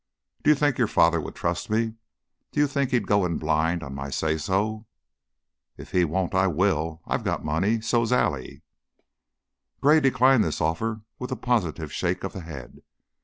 Do you think your father would trust me? Do you think he'd go it blind on my say so?" "If he won't, I will. I got money. So's Allie." Gray declined this offer with a positive shake of the head.